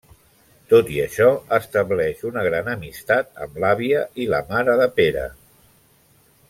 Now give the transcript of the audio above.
Tot i això, estableix una gran amistat amb l'àvia i la mare de Pere.